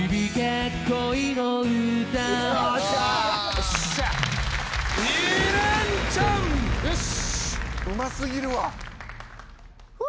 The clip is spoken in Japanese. よっしゃ！よし！